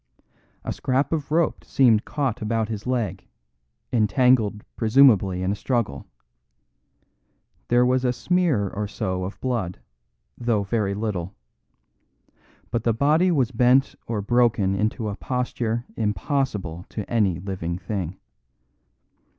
A scrap of rope seemed caught about his leg, entangled presumably in a struggle. There was a smear or so of blood, though very little; but the body was bent or broken into a posture impossible to any living thing.